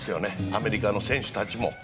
アメリカの選手たちも。